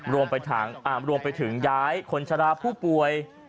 รวมไปถึงย้ายคนชะลาผู้ป่วย